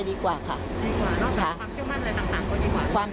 มันยังไม่ไหวมีเลย